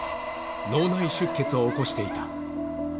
脳内出血を起こしていた。